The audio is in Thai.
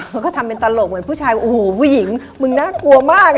มันก็ทำเป็นตลกเหมือนผู้ชายโอ้โหผู้หญิงมึงน่ากลัวมาก